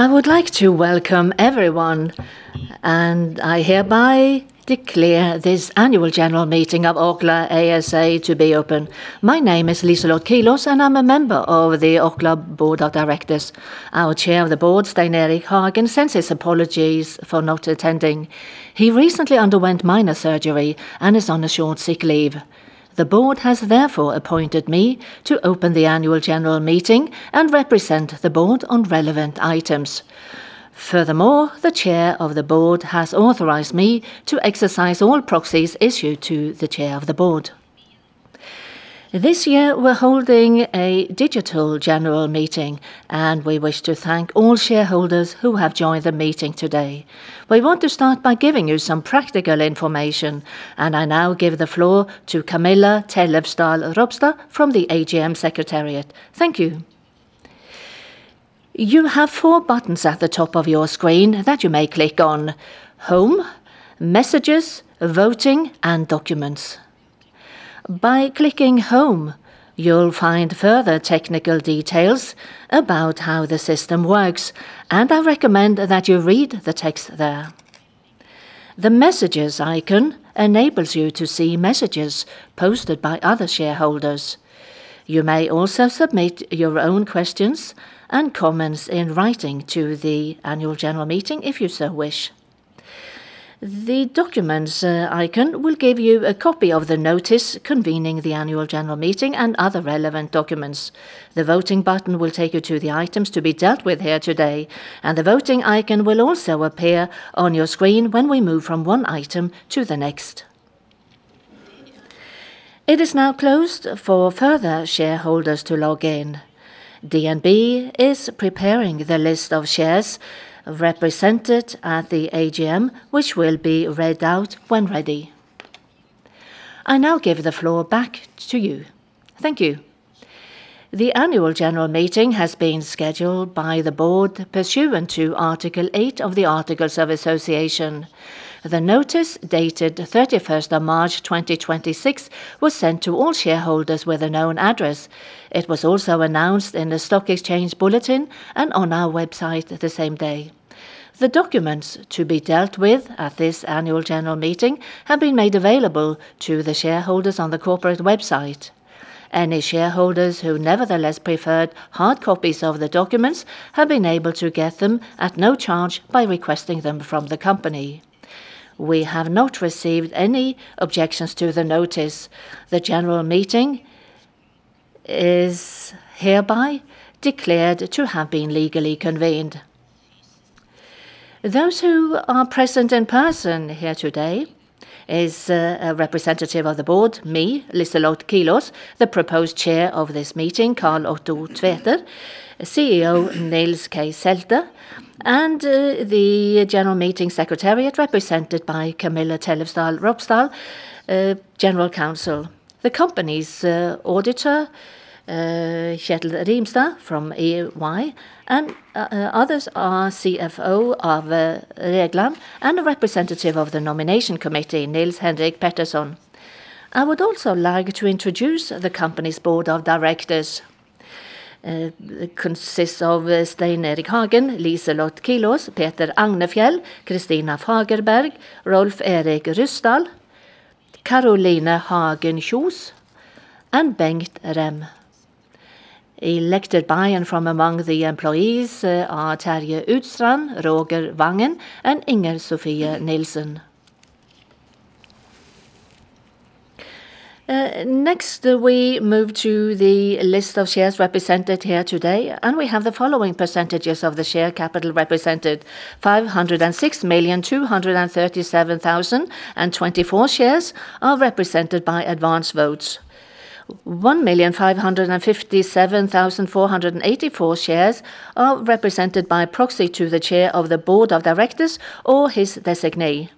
I would like to welcome everyone, and I hereby declare this annual general meeting of Orkla ASA to be open. My name is Liselott Kilaas, and I'm a member of the Orkla Board of Directors. Our Chair of the Board, Stein Erik Hagen, sends his apologies for not attending. He recently underwent minor surgery and is on a short sick leave. The board has therefore appointed me to open the annual general meeting and represent the board on relevant items. Furthermore, the Chair of the Board has authorized me to exercise all proxies issued to the Chair of the Board. This year, we're holding a digital general meeting, and we wish to thank all shareholders who have joined the meeting today. We want to start by giving you some practical information, and I now give the floor to Camilla Tellefsdal Robstad from the AGM Secretariat. Thank you. You have four buttons at the top of your screen that you may click on, Home, Messages, Voting, and Documents. By clicking Home, you'll find further technical details about how the system works, and I recommend that you read the text there. The Messages icon enables you to see messages posted by other shareholders. You may also submit your own questions and comments in writing to the annual general meeting if you so wish. The Documents icon will give you a copy of the notice convening the annual general meeting and other relevant documents. The Voting button will take you to the items to be dealt with here today, and the Voting icon will also appear on your screen when we move from one item to the next. It is now closed for further shareholders to log in. DNB is preparing the list of shares represented at the AGM, which will be read out when ready. I now give the floor back to you. Thank you. The annual general meeting has been scheduled by the board pursuant to Article 8 of the Articles of Association. The notice, dated 31st of March 2026, was sent to all shareholders with a known address. It was also announced in the stock exchange bulletin and on our website the same day. The documents to be dealt with at this annual general meeting have been made available to the shareholders on the corporate website. Any shareholders who nevertheless preferred hard copies of the documents have been able to get them at no charge by requesting them from the company. We have not received any objections to the notice. The general meeting is hereby declared to have been legally convened. Those who are present in person here today is a representative of the board, me, Liselott Kilaas, the proposed chair of this meeting, Karl Otto Tveter, CEO Nils K. Selte, and the general meeting secretariat, represented by Camilla Tellefsdal Robstad, General Counsel. The company's auditor, Kjetil Rimstad from EY, and others are CFO Arve Regland, and a representative of the nomination committee, Nils-Henrik Pettersson. I would also like to introduce the company's board of directors. Consists of Stein Erik Hagen, Liselott Kilaas, Peter Agnefjäll, Christina Fagerberg, Rolv Erik Ryssdal, Caroline Hagen Kjos, and Bengt Rem. Elected by and from among the employees are Terje Utstrand, Roger Vangen, and Ingrid Sofie Nielsen. Next, we move to the list of shares represented here today, and we have the following percentages of the share capital represented. 506,237,024 shares are represented by advance votes. 1,557,484 shares are represented by proxy to the Chair of the Board of Directors or his designee.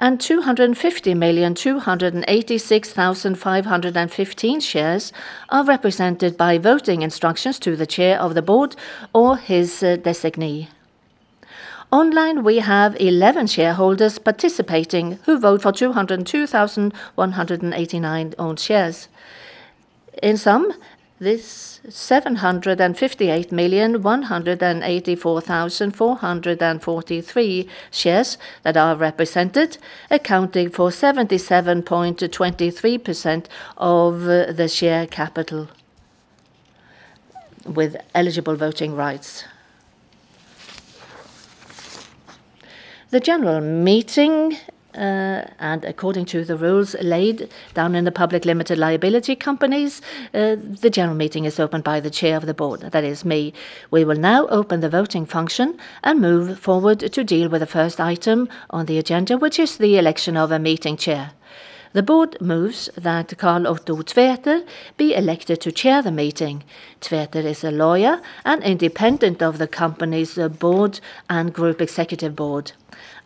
250,286,515 shares are represented by voting instructions to the Chair of the Board or his designee. Online, we have 11 shareholders participating who vote for 202,189 own shares. In sum, this 758,184,443 shares that are represented, accounting for 77.23% of the share capital with eligible voting rights. The general meeting, according to the rules laid down in the Public Limited Liability Companies Act, the general meeting is opened by the Chair of the Board, that is me. We will now open the voting function and move forward to deal with the first item on the agenda, which is the election of a meeting chair. The Board moves that Karl Otto Tveter be elected to chair the meeting. Tveter is a lawyer and independent of the company's board and group executive board.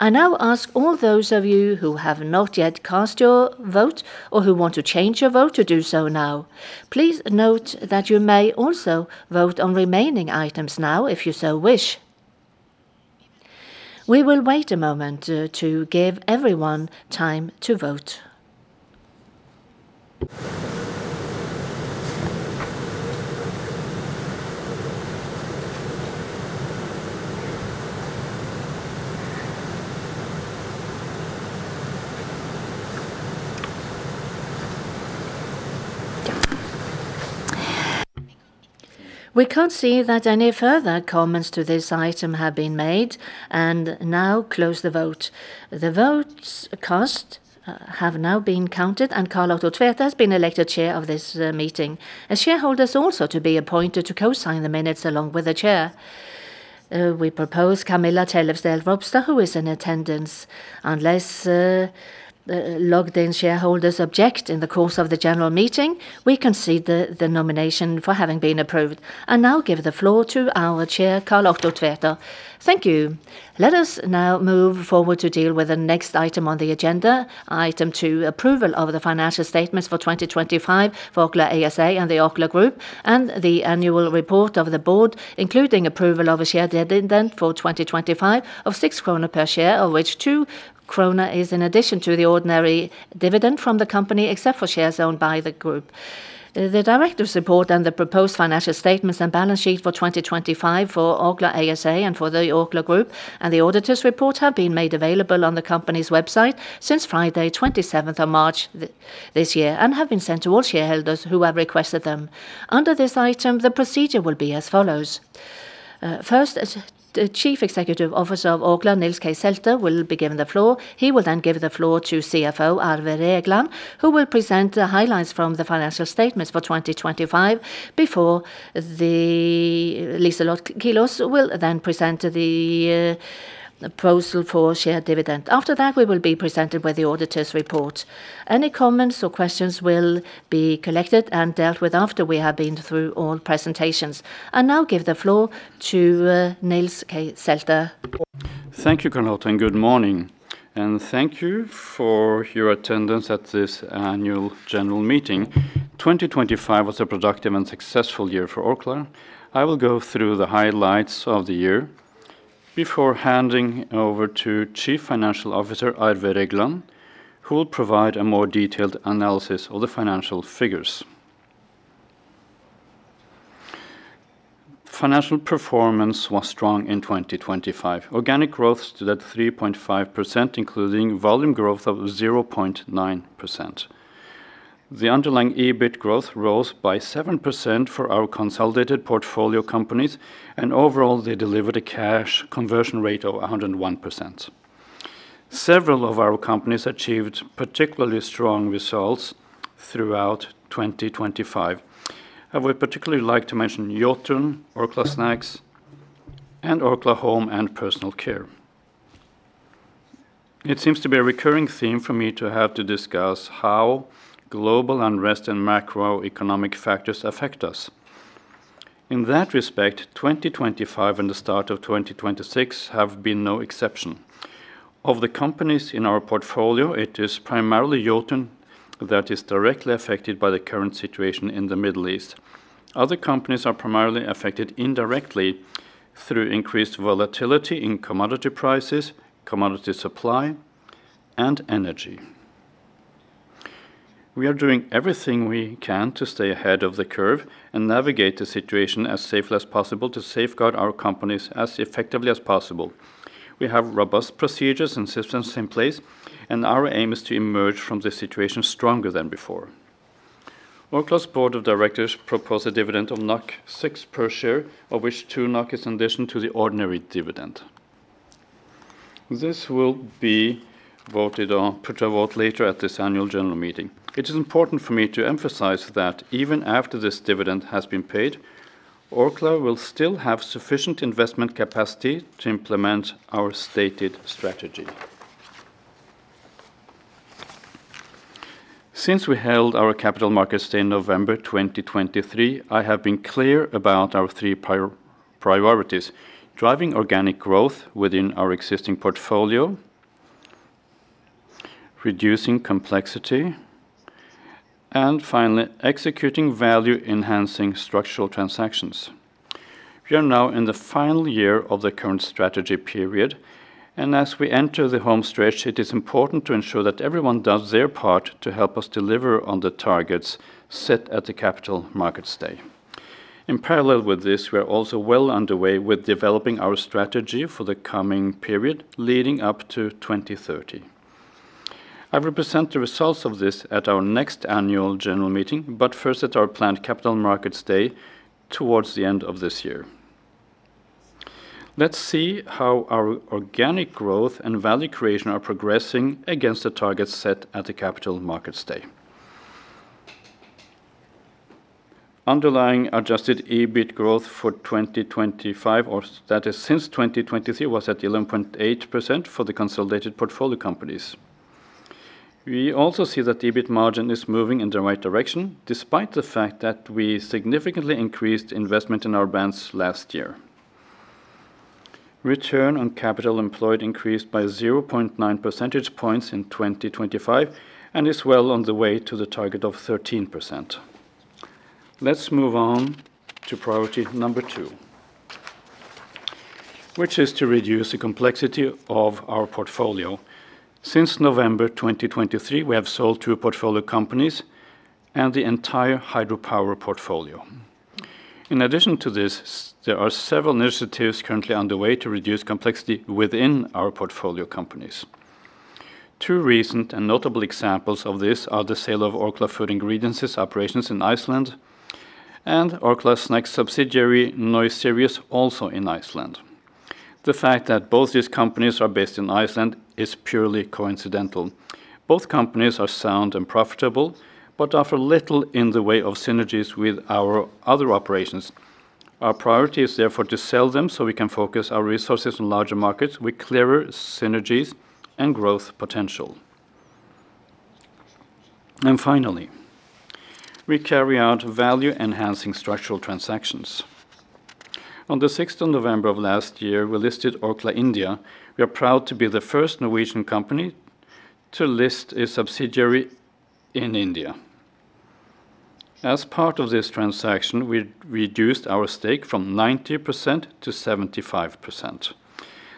I now ask all those of you who have not yet cast your vote or who want to change your vote to do so now. Please note that you may also vote on remaining items now if you so wish. We will wait a moment to give everyone time to vote. We can't see that any further comments to this item have been made, and we now close the vote. The votes cast have now been counted, and Karl Otto Tveter has been elected Chair of this meeting. A shareholder is also to be appointed to co-sign the minutes along with the Chair. We propose Camilla Tellefsdal Robstad, who is in attendance. Unless logged-in shareholders object in the course of the general meeting, we concede the nomination for having been approved. I now give the floor to our Chair, Karl Otto Tveter. Thank you. Let us now move forward to deal with the next item on the agenda. Item two, approval of the financial statements for 2025 for Orkla ASA and the Orkla Group, and the annual report of the board, including approval of a share dividend for 2025 of 6 krone per share, of which 2 krone is in addition to the ordinary dividend from the company, except for shares owned by the group. The directors' report and the proposed financial statements and balance sheet for 2025 for Orkla ASA and for the Orkla Group and the auditors' report have been made available on the company's website since Friday, 27th of March this year, and have been sent to all shareholders who have requested them. Under this item, the procedure will be as follows. First, the Chief Executive Officer of Orkla, Nils K. Selte, will be given the floor. He will then give the floor to CFO Arve Regland, who will present the highlights from the financial statements for 2025 before Liselott Kilaas will then present the proposal for share dividend. After that, we will be presented with the auditors' report. Any comments or questions will be collected and dealt with after we have been through all presentations. I now give the floor to Nils K. Selte. Thank you, Karl Otto, and good morning. Thank you for your attendance at this annual general meeting. 2025 was a productive and successful year for Orkla. I will go through the highlights of the year before handing over to Chief Financial Officer Arve Regland, who will provide a more detailed analysis of the financial figures. Financial performance was strong in 2025. Organic growth stood at 3.5%, including volume growth of 0.9%. The underlying EBIT growth rose by 7% for our consolidated portfolio companies, and overall, they delivered a cash conversion rate of 101%. Several of our companies achieved particularly strong results throughout 2025. I would particularly like to mention Jotun, Orkla Snacks, and Orkla Home & Personal Care. It seems to be a recurring theme for me to have to discuss how global unrest and macroeconomic factors affect us. In that respect, 2025 and the start of 2026 have been no exception. Of the companies in our portfolio, it is primarily Jotun that is directly affected by the current situation in the Middle East. Other companies are primarily affected indirectly through increased volatility in commodity prices, commodity supply, and energy. We are doing everything we can to stay ahead of the curve and navigate the situation as safely as possible to safeguard our companies as effectively as possible. We have robust procedures and systems in place, and our aim is to emerge from this situation stronger than before. Orkla's Board of Directors propose a dividend of 6 per share, of which 2 NOK is in addition to the ordinary dividend. This will be put to a vote later at this annual general meeting. It is important for me to emphasize that even after this dividend has been paid, Orkla will still have sufficient investment capacity to implement our stated strategy. Since we held our Capital Markets Day in November 2023, I have been clear about our three priorities. Driving organic growth within our existing portfolio, reducing complexity, and finally, executing value-enhancing structural transactions. We are now in the final year of the current strategy period, and as we enter the home stretch, it is important to ensure that everyone does their part to help us deliver on the targets set at the Capital Markets Day. In parallel with this, we are also well underway with developing our strategy for the coming period leading up to 2030. I will present the results of this at our next annual general meeting, but first at our planned Capital Markets Day towards the end of this year. Let's see how our organic growth and value creation are progressing against the targets set at the Capital Markets Day. Underlying adjusted EBIT growth for 2025, or that is since 2023, was at 11.8% for the consolidated portfolio companies. We also see that the EBIT margin is moving in the right direction, despite the fact that we significantly increased investment in our brands last year. Return on capital employed increased by 0.9 percentage points in 2025 and is well on the way to the target of 13%. Let's move on to priority number two, which is to reduce the complexity of our portfolio. Since November 2023, we have sold two portfolio companies and the entire hydropower portfolio. In addition to this, there are several initiatives currently underway to reduce complexity within our portfolio companies. Two recent and notable examples of this are the sale of Orkla Food Ingredients' operations in Iceland and Orkla Snacks' subsidiary, Nói Síríus, also in Iceland. The fact that both these companies are based in Iceland is purely coincidental. Both companies are sound and profitable but offer little in the way of synergies with our other operations. Our priority is therefore to sell them so we can focus our resources on larger markets with clearer synergies and growth potential. We carry out value-enhancing structural transactions. On the 6th of November of last year, we listed Orkla India. We are proud to be the first Norwegian company to list a subsidiary in India. As part of this transaction, we reduced our stake from 90%-75%.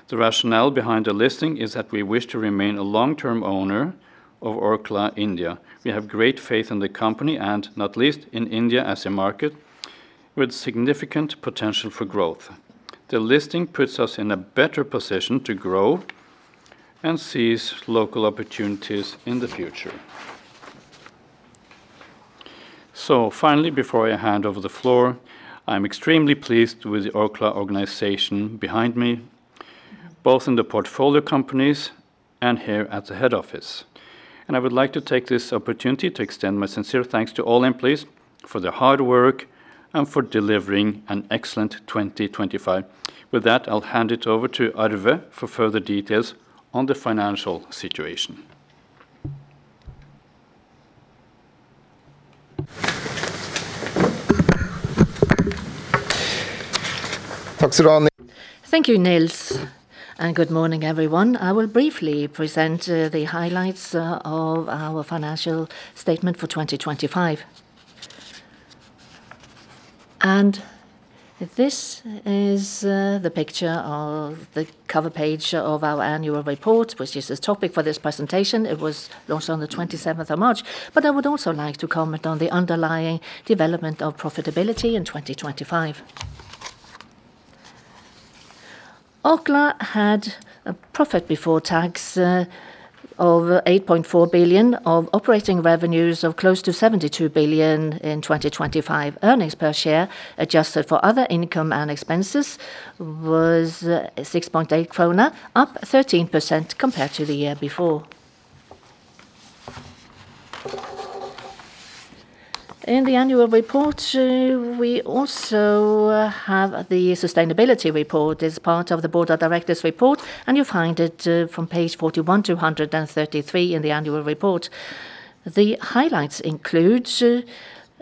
The rationale behind the listing is that we wish to remain a long-term owner of Orkla India. We have great faith in the company and not least in India as a market with significant potential for growth. The listing puts us in a better position to grow and seize local opportunities in the future. Finally, before I hand over the floor, I'm extremely pleased with the Orkla organization behind me, both in the portfolio companies and here at the head office. I would like to take this opportunity to extend my sincere thanks to all employees for their hard work and for delivering an excellent 2025. With that, I'll hand it over to Arve for further details on the financial situation. Thank you, Nils, and good morning, everyone. I will briefly present the highlights of our financial statement for 2025. This is the picture of the cover page of our annual report, which is the topic for this presentation. It was launched on the 27th of March. I would also like to comment on the underlying development of profitability in 2025. Orkla had a profit before tax of 8.4 billion of operating revenues of close to 72 billion in 2025. Earnings per share, adjusted for other income and expenses, was 6.8 krone, up 13% compared to the year before. In the annual report, we also have the sustainability report as part of the Board of Directors report, and you find it from page 41-133 in the annual report. The highlights include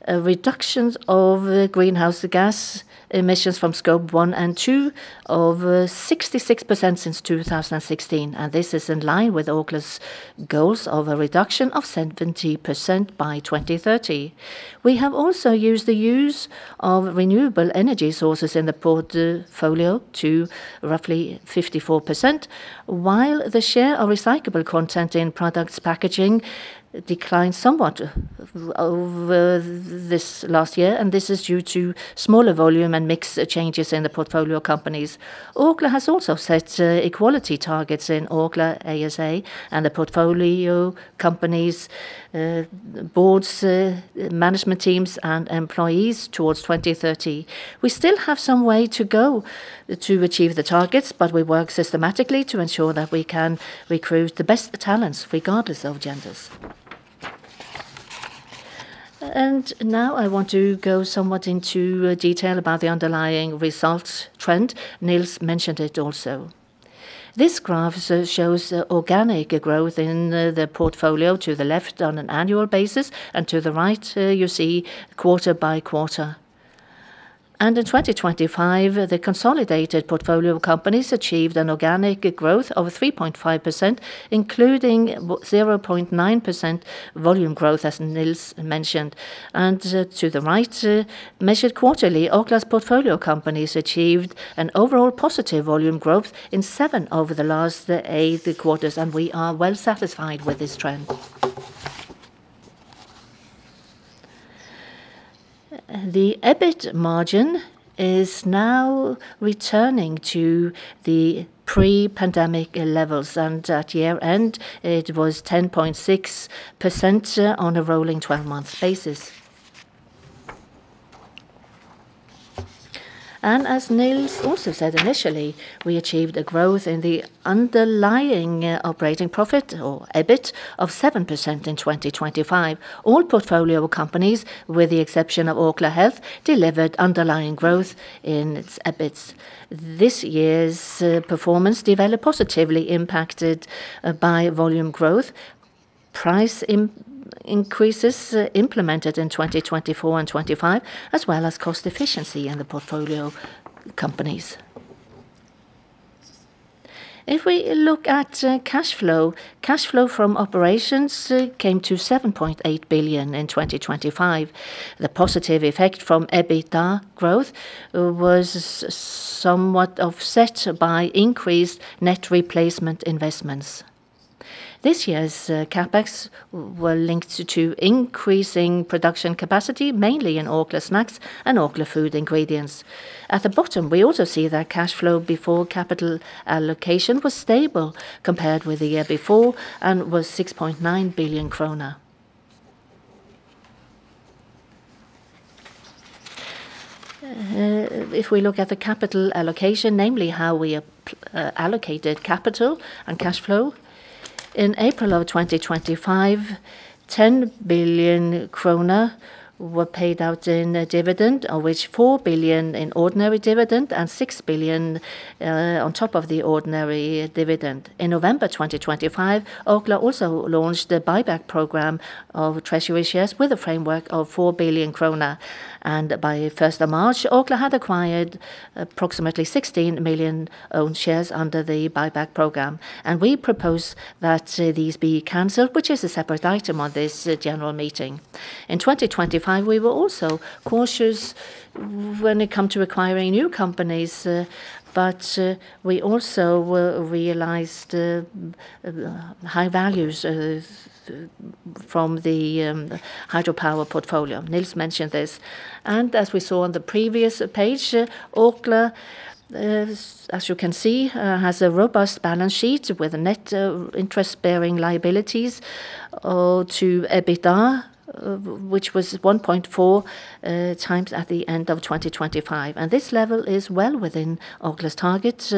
reductions of greenhouse gas emissions from Scope 1 and 2 of 66% since 2016, and this is in line with Orkla's goals of a reduction of 70% by 2030. We have also increased the use of renewable energy sources in the portfolio to roughly 54%, while the share of recyclable content in product packaging declined somewhat over this last year, and this is due to smaller volume and mix changes in the portfolio companies. Orkla has also set equality targets in Orkla ASA and the portfolio companies' boards, management teams, and employees towards 2030. We still have some way to go to achieve the targets, but we work systematically to ensure that we can recruit the best talents regardless of genders. Now I want to go somewhat into detail about the underlying results trend. Nils mentioned it also. This graph shows organic growth in the portfolio to the left on an annual basis and to the right, you see quarter by quarter. In 2025, the consolidated portfolio companies achieved an organic growth of 3.5%, including 0.9% volume growth, as Nils mentioned. To the right, measured quarterly, Orkla's portfolio companies achieved an overall positive volume growth in seven of the last eight quarters, and we are well satisfied with this trend. The EBIT margin is now returning to the pre-pandemic levels, and at year-end, it was 10.6% on a rolling 12-month basis. As Nils also said initially, we achieved a growth in the underlying operating profit or EBIT of 7% in 2025. All portfolio companies, with the exception of Orkla Health, delivered underlying growth in its EBITs. This year's performance developed positively, impacted by volume growth, price increases implemented in 2024 and 2025, as well as cost efficiency in the portfolio companies. If we look at cash flow, cash flow from operations came to 7.8 billion in 2025. The positive effect from EBITDA growth was somewhat offset by increased net replacement investments. This year's CapEx were linked to increasing production capacity, mainly in Orkla Snacks and Orkla Food Ingredients. At the bottom, we also see that cash flow before capital allocation was stable compared with the year before and was 6.9 billion kroner. If we look at the capital allocation, namely how we allocated capital and cash flow. In April of 2025, 10 billion krone were paid out in dividend, of which 4 billion in ordinary dividend and 6 billion on top of the ordinary dividend. In November 2025, Orkla also launched a buyback program of treasury shares with a framework of 4 billion kroner. By the 1st of March, Orkla had acquired approximately 16 million own shares under the buyback program. We propose that these be canceled, which is a separate item on this general meeting. In 2025, we were also cautious when it came to acquiring new companies, but we also realized high values from the hydropower portfolio. Nils mentioned this. As we saw on the previous page, Orkla, as you can see, has a robust balance sheet with a net interest-bearing liabilities to EBITDA, which was 1.4x at the end of 2025. This level is well within Orkla's target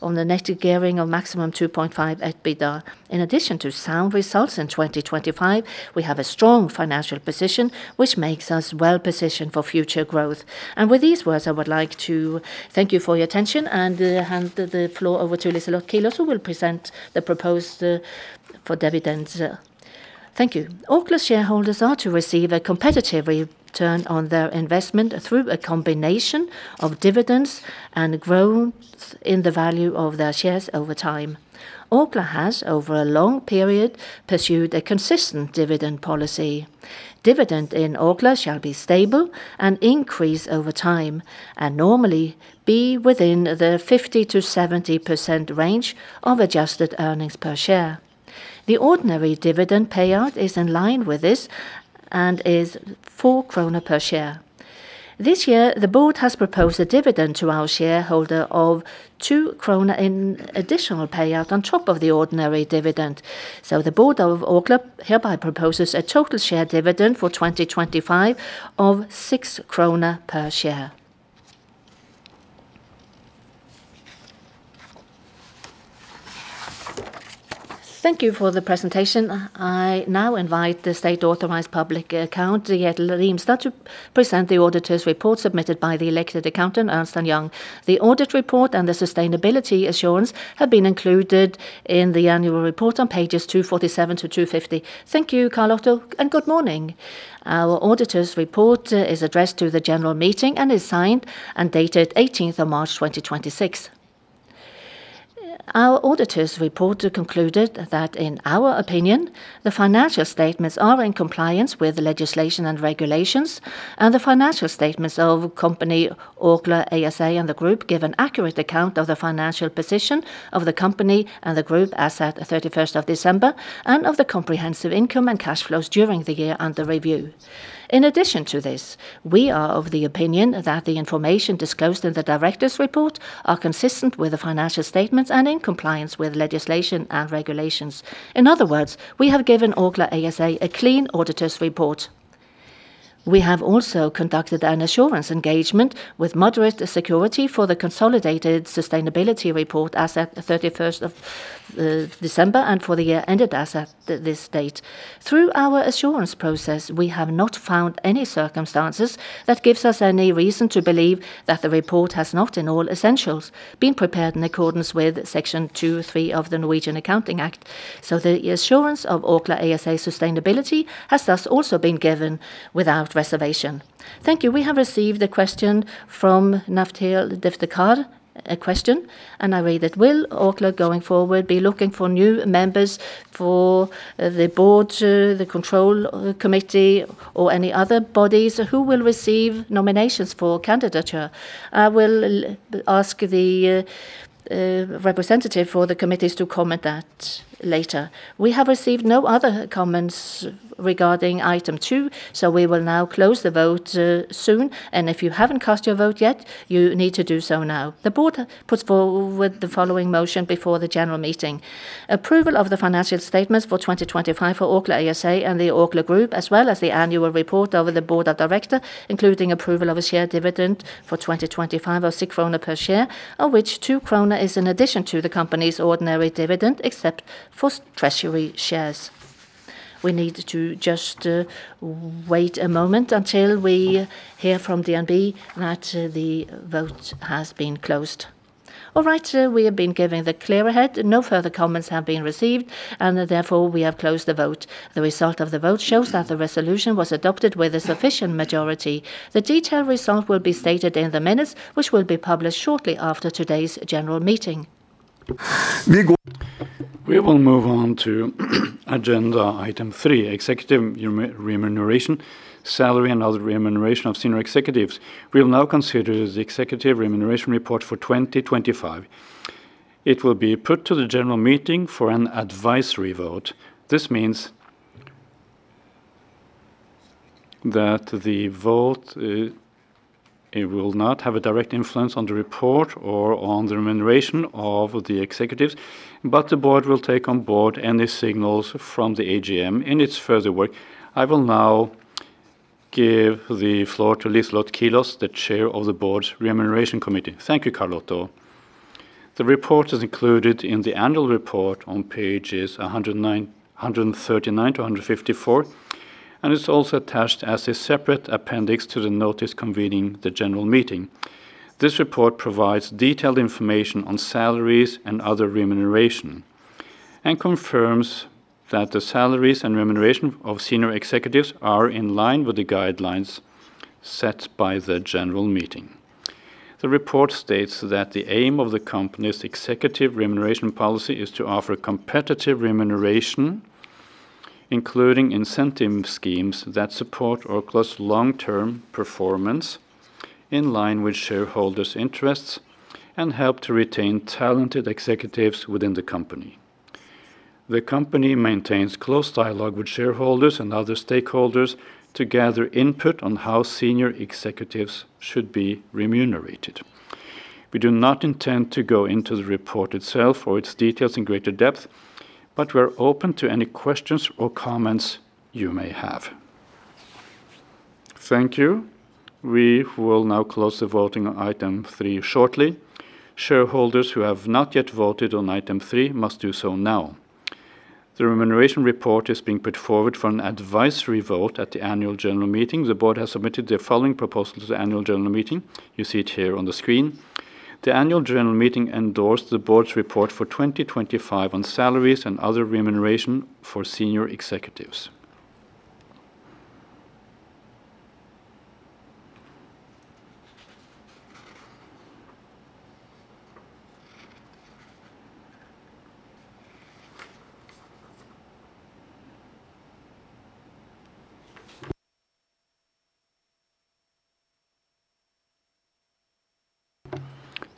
on the net gearing of maximum 2.5x EBITDA. In addition to sound results in 2025, we have a strong financial position, which makes us well-positioned for future growth. With these words, I would like to thank you for your attention and hand the floor over to Liselott Kilaas, who will present the proposal for dividends. Thank you. Orkla shareholders are to receive a competitive return on their investment through a combination of dividends and growth in the value of their shares over time. Orkla has, over a long period, pursued a consistent dividend policy. Dividend in Orkla shall be stable and increase over time and normally be within the 50%-70% range of adjusted earnings per share. The ordinary dividend payout is in line with this and is 4 kroner per share. This year, the board has proposed a dividend to our shareholder of 2 krone in additional payout on top of the ordinary dividend. The board of Orkla hereby proposes a total share dividend for 2025 of 6 krone per share. Thank you for the presentation. I now invite the State Authorised Public Accountant, Kjetil Rimstad, to present the auditor's report submitted by the elected accountant, Ernst & Young. The audit report and the sustainability assurance have been included in the annual report on pages 247-250. Thank you, Karl Otto, and good morning. Our auditor's report is addressed to the general meeting and is signed and dated 18th of March 2026. Our auditor's report concluded that, in our opinion, the financial statements are in compliance with the legislation and regulations, and the financial statements of company Orkla ASA and the group give an accurate account of the financial position of the company and the group as at 31st of December, and of the comprehensive income and cash flows during the year under review. In addition to this, we are of the opinion that the information disclosed in the director's report are consistent with the financial statements and in compliance with legislation and regulations. In other words, we have given Orkla ASA a clean auditor's report. We have also conducted an assurance engagement with moderate security for the consolidated sustainability report as at the 31st of December and for the year ended as at this date. Through our assurance process, we have not found any circumstances that gives us any reason to believe that the report has not, in all essentials, been prepared in accordance with Section 2 of the Norwegian Accounting Act. The assurance of Orkla ASA sustainability has thus also been given without reservation. Thank you. We have received a question from Naftel Diftekal. A question, and I read it. Will Orkla, going forward, be looking for new members for the board, the control committee, or any other bodies? Who will receive nominations for candidature? I will ask the representative for the committees to comment that later. We have received no other comments regarding item two, so we will now close the vote soon. If you haven't cast your vote yet, you need to do so now. The board puts forward the following motion before the general meeting. Approval of the financial statements for 2025 for Orkla ASA and the Orkla Group, as well as the annual report of the Board of Directors, including approval of a share dividend for 2025 of 6 krone per share, of which 2 krone is in addition to the company's ordinary dividend, except for treasury shares. We need to just wait a moment until we hear from DNB that the vote has been closed. All right. We have been given the clear [ahead]. No further comments have been received, and therefore, we have closed the vote. The result of the vote shows that the resolution was adopted with a sufficient majority. The detailed result will be stated in the minutes, which will be published shortly after today's general meeting. We will move on to agenda item three, executive remuneration, salary, and other remuneration of senior executives. We will now consider the executive remuneration report for 2025. It will be put to the general meeting for an advisory vote. This means that the vote will not have a direct influence on the report or on the remuneration of the executives, but the board will take on board any signals from the AGM in its further work. I will now give the floor to Liselott Kilaas, the Chair of the Board’s Remuneration Committee. Thank you, Karl Otto. The report is included in the Annual Report on pages 139-154, and it's also attached as a separate appendix to the notice convening the general meeting. This report provides detailed information on salaries and other remuneration, and confirms that the salaries and remuneration of senior executives are in line with the guidelines set by the general meeting. The report states that the aim of the company's executive remuneration policy is to offer competitive remuneration, including incentive schemes that support Orkla's long-term performance in line with shareholders' interests, and help to retain talented executives within the company. The company maintains close dialogue with shareholders and other stakeholders to gather input on how senior executives should be remunerated. We do not intend to go into the report itself or its details in greater depth, but we're open to any questions or comments you may have. Thank you. We will now close the voting on item three shortly. Shareholders who have not yet voted on item three must do so now. The remuneration report is being put forward for an advisory vote at the annual general meeting. The Board has submitted the following proposal to the annual general meeting. You see it here on the screen. The annual general meeting endorsed the Board's report for 2025 on salaries and other remuneration for senior executives.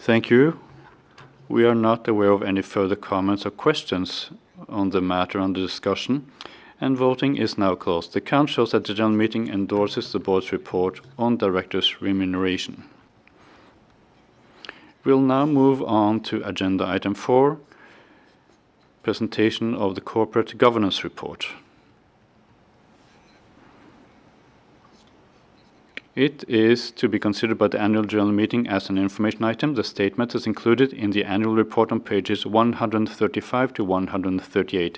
Thank you. We are not aware of any further comments or questions on the matter under discussion, and voting is now closed. The count shows that the general meeting endorses the Board's report on directors' remuneration. We'll now move on to agenda item four, presentation of the corporate governance report. It is to be considered by the annual general meeting as an information item. The statement is included in the annual report on pages 135-138.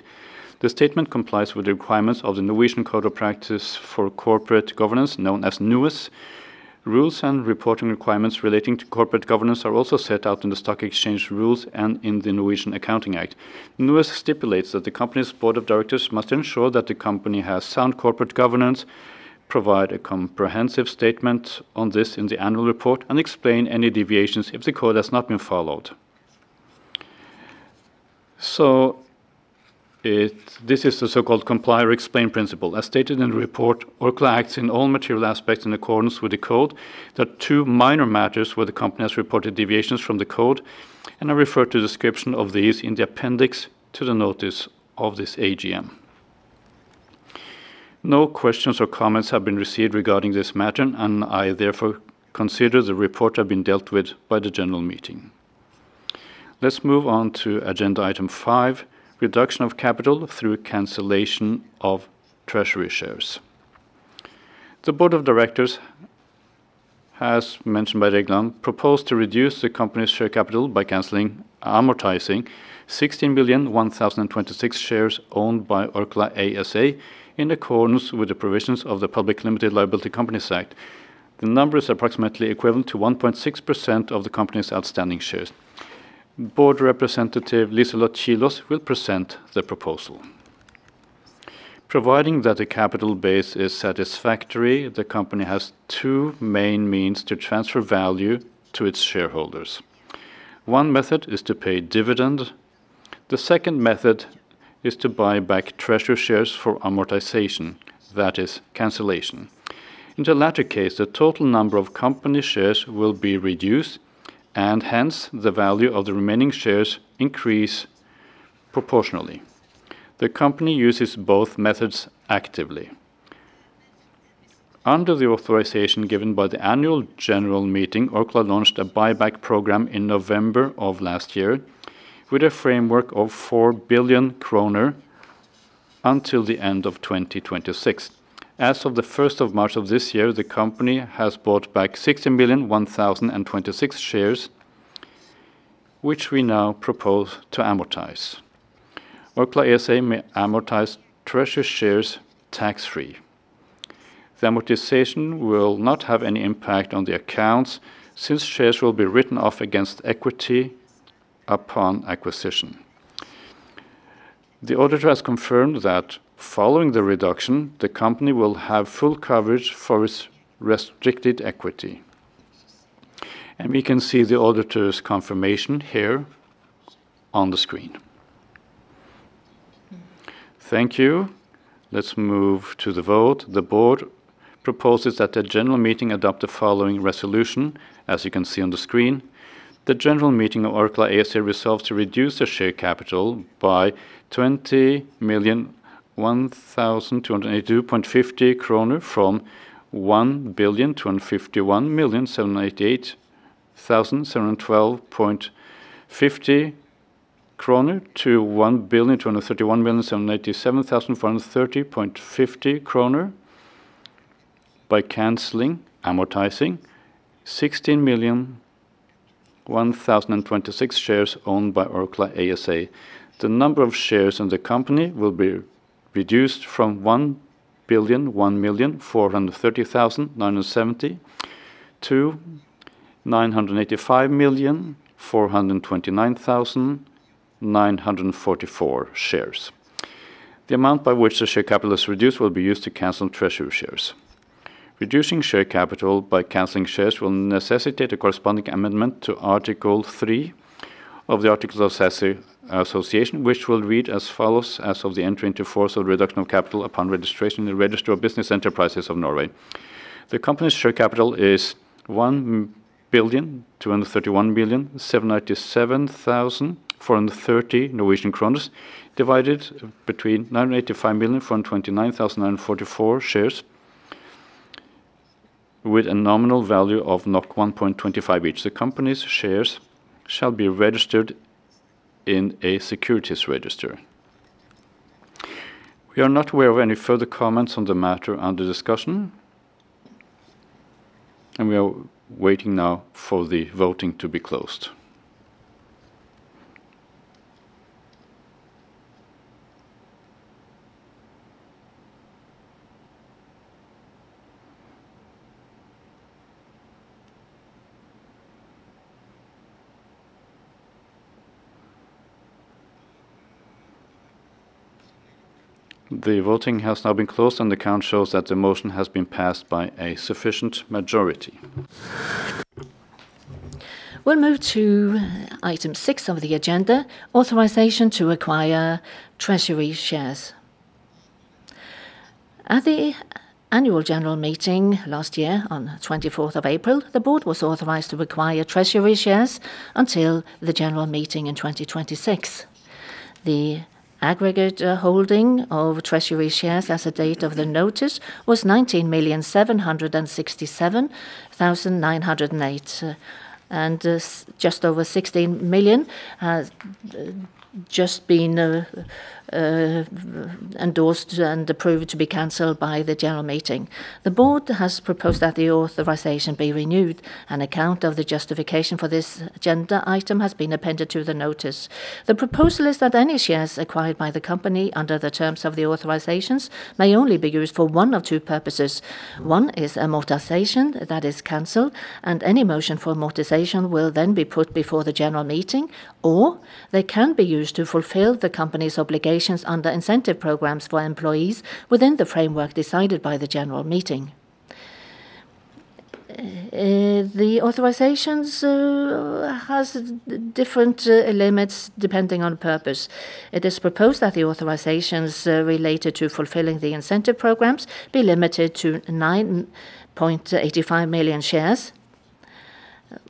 The statement complies with the requirements of the Norwegian Code of Practice for Corporate Governance, known as NUES. Rules and reporting requirements relating to corporate governance are also set out in the Stock Exchange Rules and in the Norwegian Accounting Act. NUES stipulates that the company's board of directors must ensure that the company has sound corporate governance, provide a comprehensive statement on this in the annual report, and explain any deviations if the code has not been followed. This is the so-called comply or explain principle. As stated in the report, Orkla acts in all material aspects in accordance with the code. There are two minor matters where the company has reported deviations from the code, and I refer to the description of these in the appendix to the notice of this AGM. No questions or comments have been received regarding this matter, and I therefore consider the report has been dealt with by the general meeting. Let's move on to agenda item five, reduction of capital through cancellation of treasury shares. The board of directors, as mentioned by Arve Regland, proposed to reduce the company's share capital by canceling, amortizing 16,001,026 shares owned by Orkla ASA in accordance with the provisions of the Public Limited Liability Companies Act. The number is approximately equivalent to 1.6% of the company's outstanding shares. Board representative Liselott Kilaas will present the proposal. Providing that the capital base is satisfactory, the company has two main means to transfer value to its shareholders. One method is to pay dividend. The second method is to buy back treasury shares for amortization, that is, cancellation. In the latter case, the total number of company shares will be reduced, and hence the value of the remaining shares increase proportionally. The company uses both methods actively. Under the authorization given by the annual general meeting, Orkla launched a buyback program in November of last year with a framework of 4 billion kroner until the end of 2026. As of the 1st of March of this year, the company has bought back 16,001,026 shares, which we now propose to amortize. Orkla ASA may amortize treasury shares tax-free. The amortization will not have any impact on the accounts, since shares will be written off against equity upon acquisition. The auditor has confirmed that following the reduction, the company will have full coverage for its restricted equity. We can see the auditor's confirmation here on the screen. Thank you. Let's move to the vote. The board proposes that the general meeting adopt the following resolution, as you can see on the screen. The general meeting of Orkla ASA resolves to reduce the share capital by 20,001,282.50 kroner from 1,251,788,712.50 kroner to 1,231,787,430.50 kroner by canceling, amortizing 16,001,026 shares owned by Orkla ASA. The number of shares in the company will be reduced from 1,001,430,970 to 985,429,944 shares. The amount by which the share capital is reduced will be used to cancel treasury shares. Reducing share capital by canceling shares will necessitate a corresponding amendment to Article 3 of the Articles of Association, which will read as follows. As of the entry into force of reduction of capital upon registration in the register of business enterprises of Norway, the company's share capital is 1,231,787,430 Norwegian kroner, divided between 985,429,944 shares with a nominal value of 1.25 each. The company's shares shall be registered in a securities register. We are not aware of any further comments on the matter under discussion, and we are waiting now for the voting to be closed. The voting has now been closed, and the count shows that the motion has been passed by a sufficient majority. We'll move to item 6 of the agenda, authorization to acquire treasury shares. At the annual general meeting last year on the 24th of April, the board was authorized to acquire treasury shares until the general meeting in 2026. The aggregate holding of treasury shares as at date of the notice was 19,767,908, and just over 16 million has just been endorsed and approved to be canceled by the general meeting. The board has proposed that the authorization be renewed. An account of the justification for this agenda item has been appended to the notice. The proposal is that any shares acquired by the company under the terms of the authorizations may only be used for one of two purposes. One is amortization, that is cancel, and any motion for amortization will then be put before the general meeting, or they can be used to fulfill the company's obligations under incentive programs for employees within the framework decided by the general meeting. The authorizations has different limits depending on purpose. It is proposed that the authorizations related to fulfilling the incentive programs be limited to 9.85 million shares,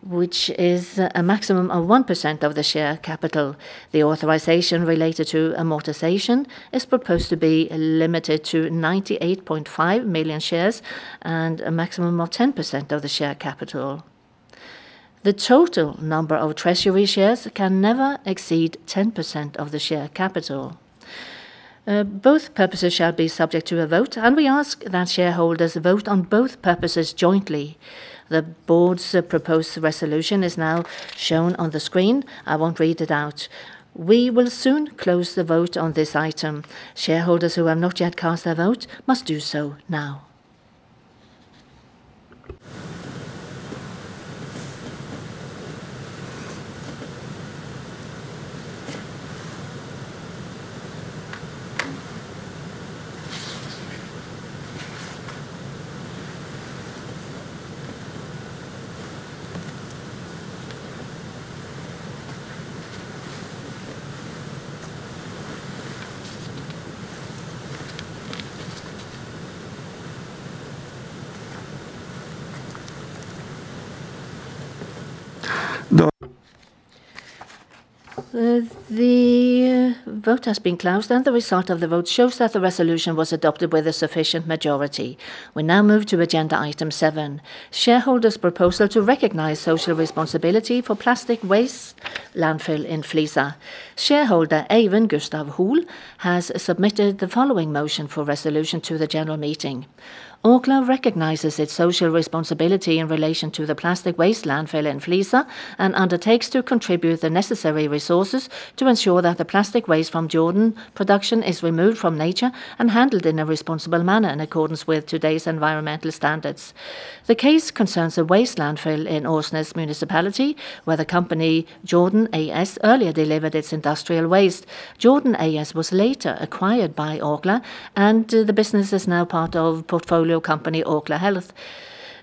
which is a maximum of 1% of the share capital. The authorization related to amortization is proposed to be limited to 98.5 million shares and a maximum of 10% of the share capital. The total number of treasury shares can never exceed 10% of the share capital. Both purposes shall be subject to a vote, and we ask that shareholders vote on both purposes jointly. The Board's proposed resolution is now shown on the screen. I won't read it out. We will soon close the vote on this item. Shareholders who have not yet cast their vote must do so now. The vote has been closed, and the result of the vote shows that the resolution was adopted with a sufficient majority. We now move to agenda item seven, shareholders' proposal to recognize social responsibility for plastic waste landfill in Flisa. Shareholder Eivind Gustav Hole has submitted the following motion for resolution to the general meeting. Orkla recognizes its social responsibility in relation to the plastic waste landfill in Flisa and undertakes to contribute the necessary resources to ensure that the plastic waste from Jordan production is removed from nature and handled in a responsible manner in accordance with today's environmental standards. The case concerns a waste landfill in Åsnes Municipality, where the company Jordan AS earlier delivered its industrial waste. Jordan AS was later acquired by Orkla, and the business is now part of portfolio company Orkla Health.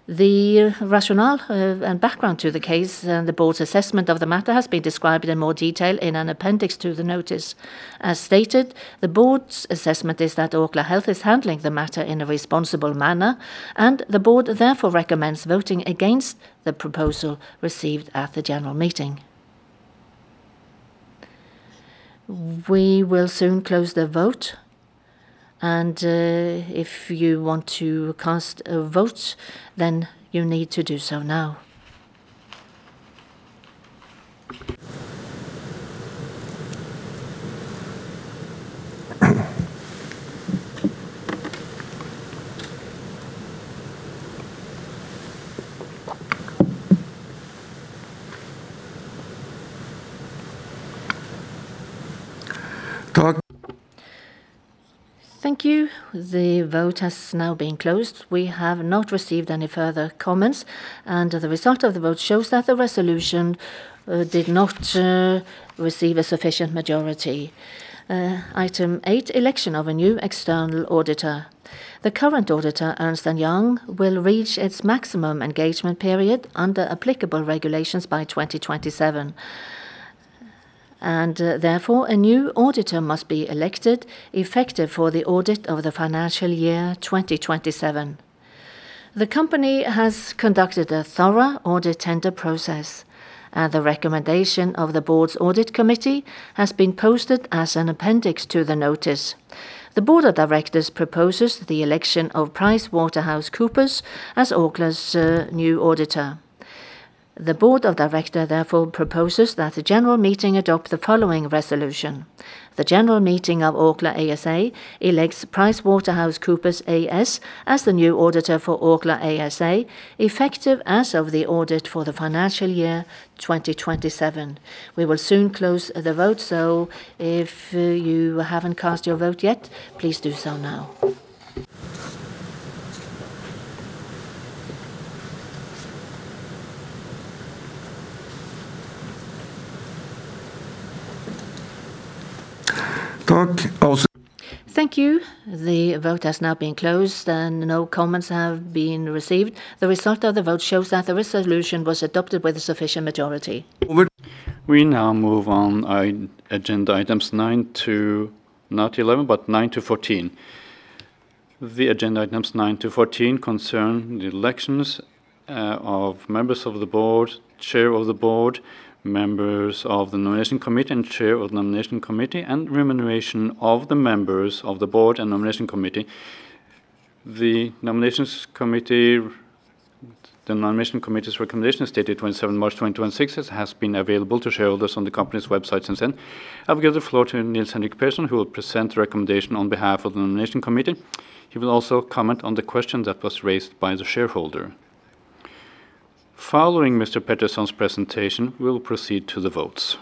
The rationale and background to the case and the board's assessment of the matter has been described in more detail in an appendix to the notice. As stated, the board's assessment is that Orkla Health is handling the matter in a responsible manner, and the board therefore recommends voting against the proposal received at the general meeting. We will soon close the vote, and if you want to cast a vote, then you need to do so now. Thank you. The vote has now been closed. We have not received any further comments, and the result of the vote shows that the resolution did not receive a sufficient majority. Item 8, election of a new external auditor. The current auditor, Ernst & Young, will reach its maximum engagement period under applicable regulations by 2027, and therefore a new auditor must be elected effective for the audit of the financial year 2027. The company has conducted a thorough audit tender process. The recommendation of the board's audit committee has been posted as an appendix to the notice. The Board of Directors proposes the election of PricewaterhouseCoopers as Orkla's new auditor. The Board of Directors therefore proposes that the general meeting adopt the following resolution. The general meeting of Orkla ASA elects PricewaterhouseCoopers AS as the new auditor for Orkla ASA, effective as of the audit for the financial year 2027. We will soon close the vote, so if you haven't cast your vote yet, please do so now. Thank you. The vote has now been closed, and no comments have been received. The result of the vote shows that the resolution was adopted by the sufficient majority. We now move on agenda items nine to 14. The agenda items nine to 14 concern the elections of members of the board, chair of the board, members of the nomination committee, and chair of the nomination committee, and remuneration of the members of the board and nomination committee. The nomination committee's recommendation, dated 27 March 2026, has been available to shareholders on the company's website since then. I will give the floor to Nils-Henrik Pettersson, who will present the recommendation on behalf of the nomination committee. He will also comment on the question that was raised by the shareholder. Following Mr. Pettersson's presentation, we will proceed to the votes.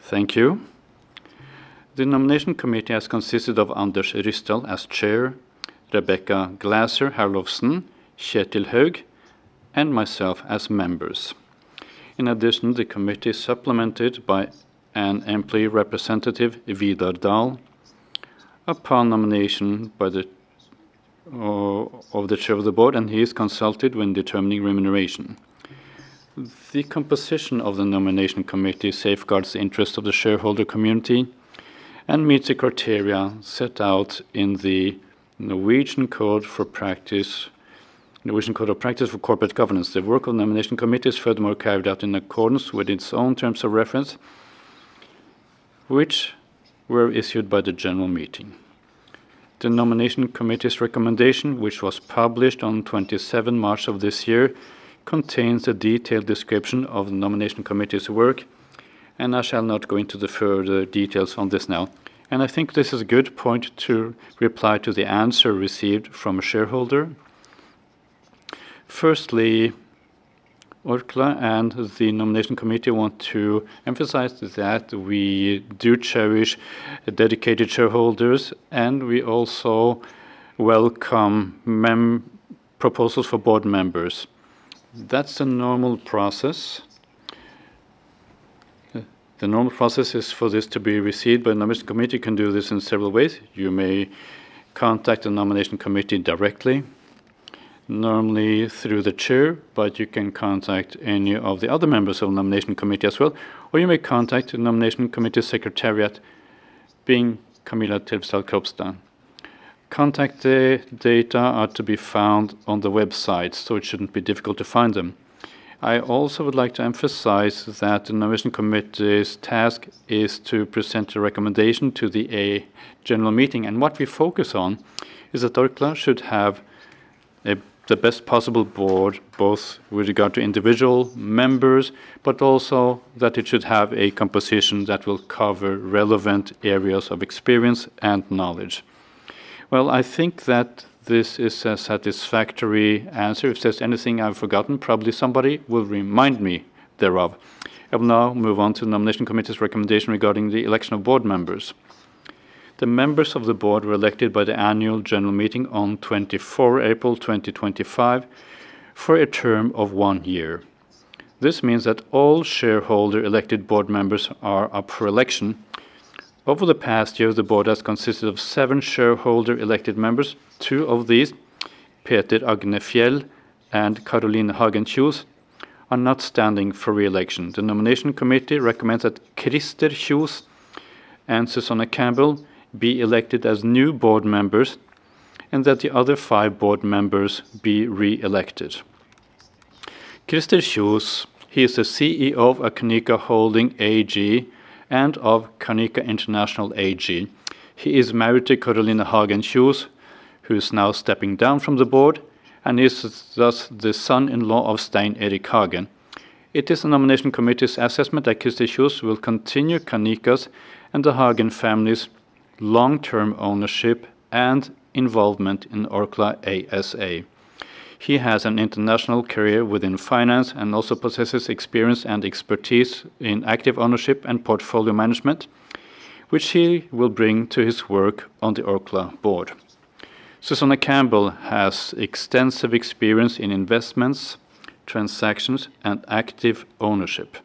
Thank you. The nomination committee has consisted of Anders Ryssdal as chair, Rebekka Glasser Herlofsen, [Kjetil Høeg], and myself as members. In addition, the committee is supplemented by an employee representative, Vidar Dahl, upon nomination of the chair of the board, and he is consulted when determining remuneration. The composition of the nomination committee safeguards the interest of the shareholder community and meets the criteria set out in the Norwegian Code of Practice for Corporate Governance. The work of the nomination committee is furthermore carried out in accordance with its own terms of reference, which were issued by the general meeting. The nomination committee's recommendation, which was published on 27 March of this year, contains a detailed description of the nomination committee's work, and I shall not go into the further details on this now. I think this is a good point to reply to the answer received from a shareholder. Firstly, Orkla and the nomination committee want to emphasize that we do cherish dedicated shareholders, and we also welcome proposals for board members. That's the normal process. The normal process is for this to be received, but the nomination committee can do this in several ways. You may contact the nomination committee directly, normally through the chair, but you can contact any of the other members of the nomination committee as well, or you may contact the nomination committee secretariat, being Camilla Tellefsdal Robstad. Contact data are to be found on the website, so it shouldn't be difficult to find them. I also would like to emphasize that the nomination committee's task is to present a recommendation to the general meeting. What we focus on is that Orkla should have the best possible board, both with regard to individual members, but also that it should have a composition that will cover relevant areas of experience and knowledge. Well, I think that this is a satisfactory answer. If there's anything I've forgotten, probably somebody will remind me thereof. I will now move on to the nomination committee's recommendation regarding the election of board members. The members of the board were elected by the annual general meeting on 24 April 2025 for a term of one year. This means that all shareholder elected board members are up for election. Over the past year, the board has consisted of seven shareholder elected members. Two of these, Peter Agnefjäll and Caroline Hagen Kjos, are not standing for re-election. The Nomination Committee recommends that Christer Kjos and Susanna Campbell be elected as new board members, and that the other five board members be re-elected. Christer Kjos, he is the CEO of Canica Holding AG and of Canica International AG. He is married to Caroline Hagen Kjos, who is now stepping down from the board and is thus the son-in-law of Stein Erik Hagen. It is the Nomination Committee's assessment that Christer Kjos will continue Canica's and the Hagen family's long-term ownership and involvement in Orkla ASA. He has an international career within finance and also possesses experience and expertise in active ownership and portfolio management, which he will bring to his work on the Orkla Board. Susanna Campbell has extensive experience in investments, transactions, and active ownership.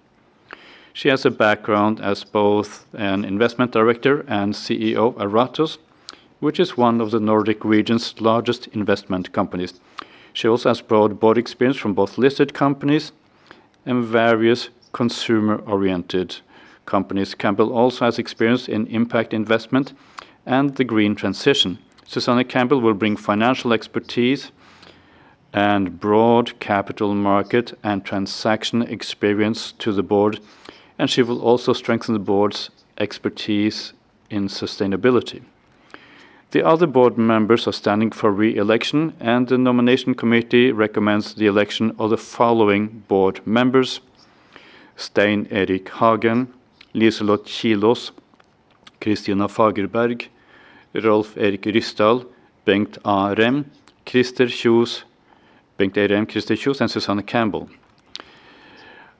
She has a background as both an investment director and CEO at Ratos, which is one of the Nordic region's largest investment companies. She also has broad board experience from both listed companies and various consumer-oriented companies. Campbell also has experience in impact investment and the green transition. Susanna Campbell will bring financial expertise and broad capital market and transaction experience to the board, and she will also strengthen the board's expertise in sustainability. The other board members are standing for re-election, and the Nomination Committee recommends the election of the following board members: Stein Erik Hagen, Liselott Kilaas, Christina Fagerberg, Rolv Erik Ryssdal, Bengt Arve Rem, Christer Kjos, and Susanna Campbell.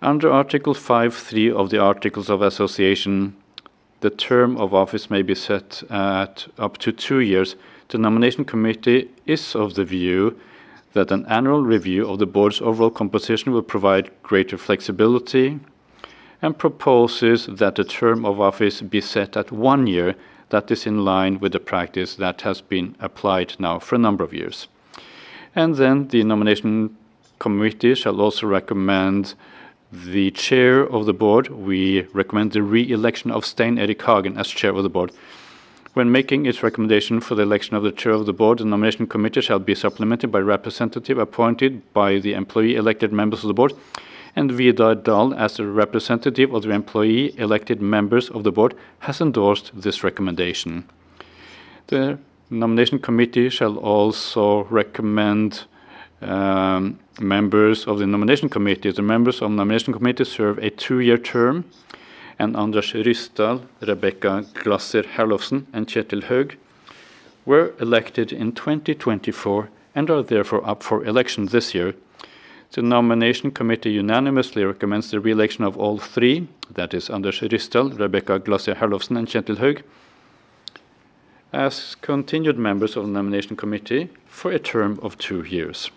Under Article 5 of the Articles of Association, the term of office may be set at up to two years. The Nomination Committee is of the view that an annual review of the board's overall composition will provide greater flexibility and proposes that the term of office be set at one year, that is, in line with the practice that has been applied now for a number of years. The Nomination Committee shall also recommend the chair of the board. We recommend the re-election of Stein Erik Hagen as chair of the board. When making its recommendation for the election of the chair of the board, the Nomination Committee shall be supplemented by a representative appointed by the employee-elected members of the board. Vidar Dahl, as a representative of the employee-elected members of the board, has endorsed this recommendation. The Nomination Committee shall also recommend members of the Nomination Committee. The members of the Nomination Committee serve a two-year term. Anders Ryssdal, Rebekka Glasser Herlofsen, and [Kjetil Høeg] were elected in 2024 and are therefore up for election this year. The Nomination Committee unanimously recommends the re-election of all three. That is Anders Ryssdal, Rebekka Glasser Herlofsen, and [Kjetil Høeg] as continued members of the Nomination Committee for a term of two years.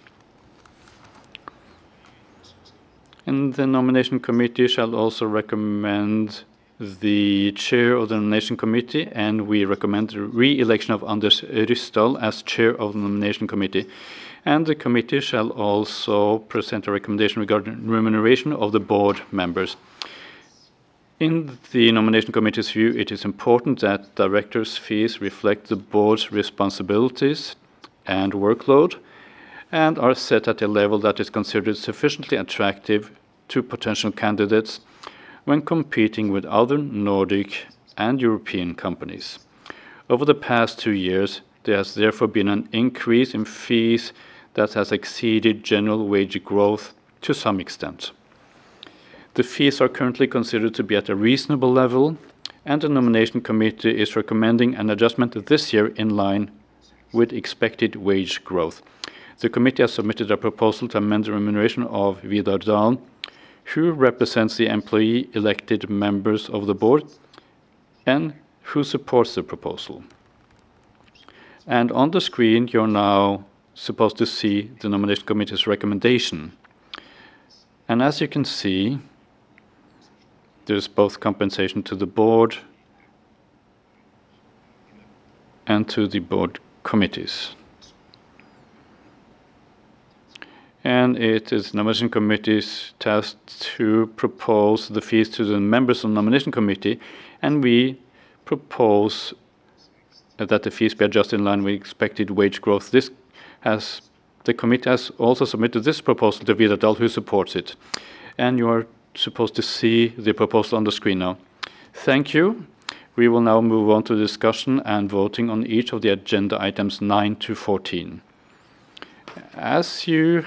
The Nomination Committee shall also recommend the chair of the Nomination Committee, and we recommend the re-election of Anders Ryssdal as chair of the Nomination Committee. The committee shall also present a recommendation regarding remuneration of the board members. In the Nomination Committee's view, it is important that directors' fees reflect the board's responsibilities and workload and are set at a level that is considered sufficiently attractive to potential candidates when competing with other Nordic and European companies. Over the past two years, there has therefore been an increase in fees that has exceeded general wage growth to some extent. The fees are currently considered to be at a reasonable level, and the Nomination Committee is recommending an adjustment this year in line with expected wage growth. The committee has submitted a proposal to amend the remuneration of Vidar Dahl, who represents the employee-elected members of the board and who supports the proposal. On the screen, you are now supposed to see the Nomination Committee's recommendation. As you can see, there's both compensation to the board and to the board committees. It is Nomination Committee's task to propose the fees to the members of Nomination Committee, and we propose that the fees be adjusted in line with expected wage growth. The committee has also submitted this proposal to Vidar Dahl, who supports it. You are supposed to see the proposal on the screen now. Thank you. We will now move on to the discussion and voting on each of the agenda items 9-14. As you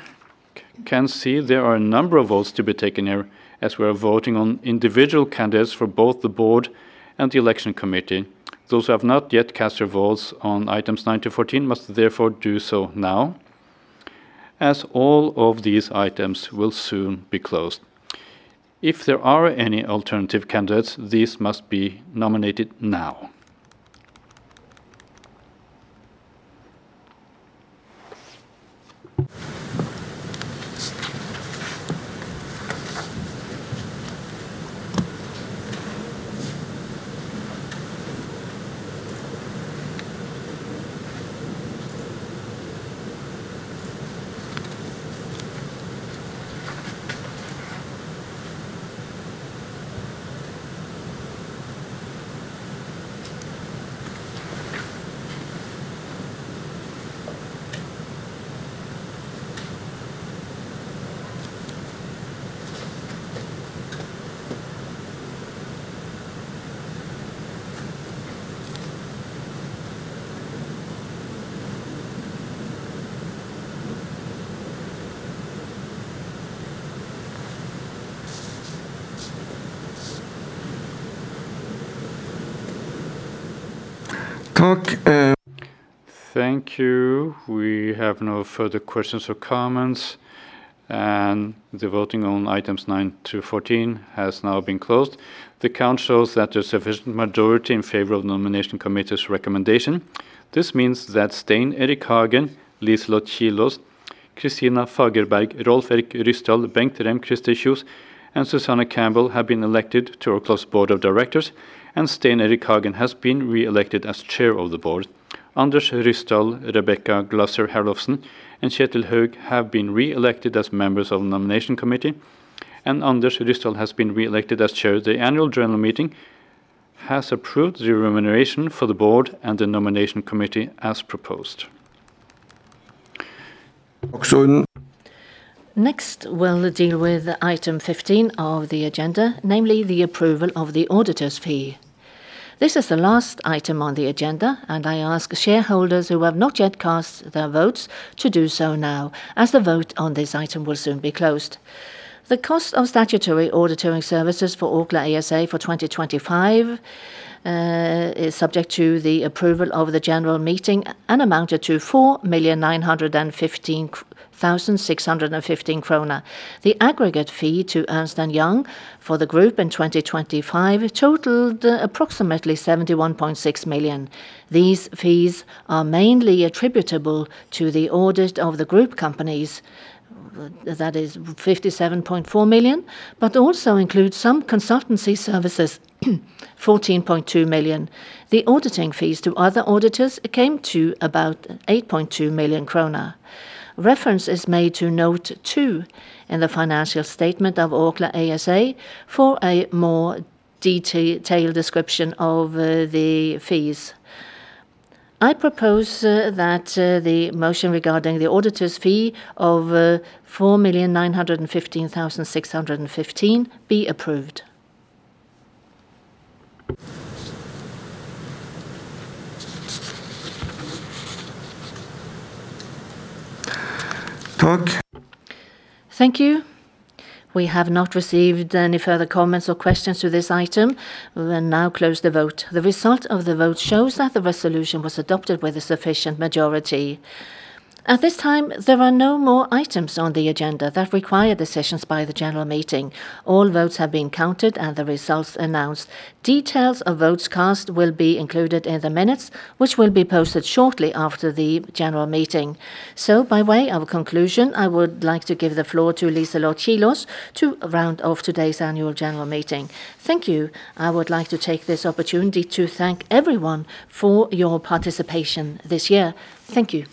can see, there are a number of votes to be taken here as we are voting on individual candidates for both the Board and the Election Committee. Those who have not yet cast their votes on items 9-14 must therefore do so now, as all of these items will soon be closed. If there are any alternative candidates, these must be nominated now. Thank you. We have no further questions or comments, and the voting on items 9 to 14 has now been closed. The count shows that there's sufficient majority in favor of Nomination Committee's recommendation. This means that Stein Erik Hagen, Liselott Kilaas, Christina Fagerberg, Rolv Erik Ryssdal, Bengt Rem, and Susanna Campbell have been elected to Orkla's board of directors, and Stein Erik Hagen has been reelected as Chair of the Board. Anders Ryssdal, Rebekka Glasser Herlofsen, and [Kjetil Høeg] have been reelected as members of the Nomination Committee, and Anders Ryssdal has been reelected as Chair. The Annual General Meeting has approved the remuneration for the board and the Nomination Committee as proposed. Next, we'll deal with item 15 of the agenda, namely the approval of the auditor's fee. This is the last item on the agenda, and I ask shareholders who have not yet cast their votes to do so now, as the vote on this item will soon be closed. The cost of statutory auditing services for Orkla ASA for 2025 is subject to the approval of the general meeting and amounted to 4,915,615 kroner. The aggregate fee to Ernst & Young for the group in 2025 totaled approximately 71.6 million. These fees are mainly attributable to the audit of the group companies, that is 57.4 million, but also includes some consultancy services, 14.2 million. The auditing fees to other auditors came to about 8.2 million krone. Reference is made to note two in the financial statement of Orkla ASA for a more detailed description of the fees. I propose that the motion regarding the auditor's fee of 4,915,615 be approved. Thank you. We have not received any further comments or questions to this item. We will now close the vote. The result of the vote shows that the resolution was adopted with a sufficient majority. At this time, there are no more items on the agenda that require decisions by the general meeting. All votes have been counted and the results announced. Details of votes cast will be included in the minutes, which will be posted shortly after the general meeting. By way of conclusion, I would like to give the floor to Liselott Kilaas to round off today's annual general meeting. Thank you. I would like to take this opportunity to thank everyone for your participation this year. Thank you.